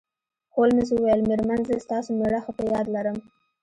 هولمز وویل میرمن زه ستاسو میړه ښه په یاد لرم